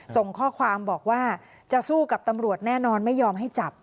ส่งข้อความบอกว่าจะสู้กับตำรวจแน่นอนไม่ยอมให้จับ